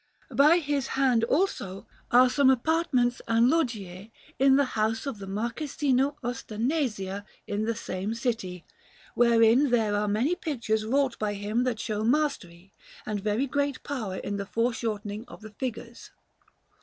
By his hand, also, are some apartments and loggie in the house of the Marchesino Ostanesia in the same city, wherein there are many pictures wrought by him that show mastery and very great power in the foreshortening of the figures.